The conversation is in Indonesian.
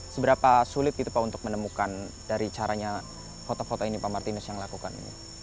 seberapa sulit gitu pak untuk menemukan dari caranya foto foto ini pak martinus yang lakukan ini